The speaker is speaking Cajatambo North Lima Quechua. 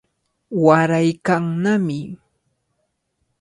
Waraykannami.